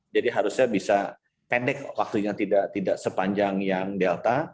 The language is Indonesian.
jadi harusnya bisa pendek waktunya tidak sepanjang yang delta